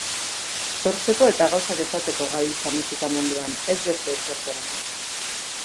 Sortzeko eta gauzak esateko gabiltza musika munduan, ez beste ezertarako.